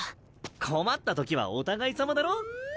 困った時はお互いさまだろ？